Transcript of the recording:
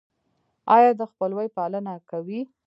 ایا د خپلوۍ پالنه کوئ؟